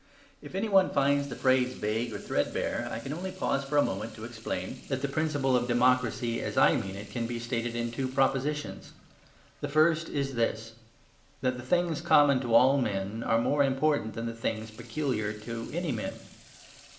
If any one finds the phrase vague or threadbare, I can only pause for a moment to explain that the principle of democracy, as I mean it, can be stated in two propositions. The first is this: that the things common to all men are more important than the things peculiar to any men.